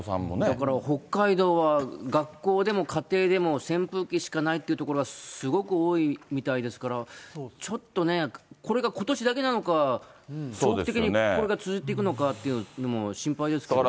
だから北海道は学校でも家庭でも扇風機しかないっていうところがすごく多いみたいですから、ちょっとね、これがことしだけなのか、長期的にこれが続いていくのか、心配ですからね。